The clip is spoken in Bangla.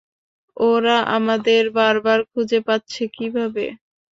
ওরা আমাদের বারবার খুঁজে পাচ্ছে কীভাবে?